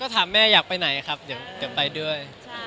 ถามแม่อยากไปไหนครับเดี๋ยวไปด้วย